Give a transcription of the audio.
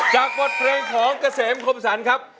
บทเพลงของเกษมคมสรรครับ